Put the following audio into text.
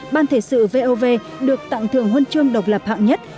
ban thể sự vov được tặng thưởng huân chương độc lập hạng nhất